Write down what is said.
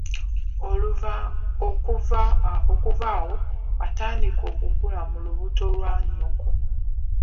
Okuva awo watandika okukula mu lubuto lwa nnyoko.